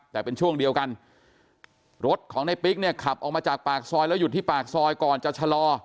แต่เป็นช่วงเดียวกันรถของในปิ๊กเนี่ยขับออกมาจากปากซอยแล้วหยุดที่ปากซอยก่อนจะชะลอ